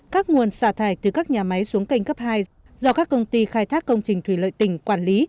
các nguồn xả thải từ các nhà máy xuống kênh cấp hai do các công ty khai thác công trình thủy lợi tỉnh quản lý